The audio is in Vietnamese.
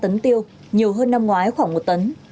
khoảng ba tấn tiêu nhiều hơn năm ngoái khoảng một tấn